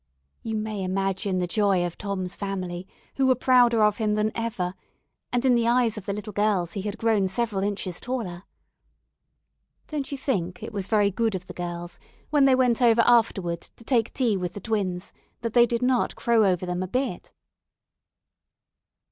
You may imagine the joy of Tom's family, who were prouder of him than ever, and in the eyes of the little girls he had grown several inches taller. Don't you think it was very good of the girls when they went over afterward to take tea with the "Twins" that they did not crow over them a bit?